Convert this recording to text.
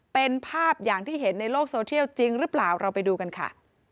เป็นภาพอย่างที่เห็นในโลกโซเทียลจริงหรือเปล่าเราไปดูกันค่ะ